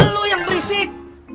lu yang berisik